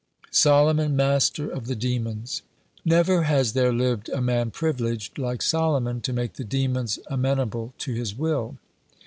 (47) SOLOMON MASTER OF THE DEMONS Never has there lived a man privileged, like Solomon, to make the demons amenable to his will.